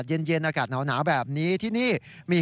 ท่องเที่ยวกันในช่วงอากาศเย็นเย็นอากาศหนาวหนาวแบบนี้ที่นี่มี